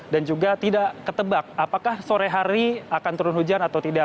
dan juga tidak ketebak apakah sore hari akan turun hujan atau tidak